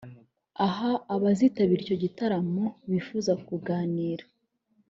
Aha abazitabira icyo gitaramo bifuza kuganira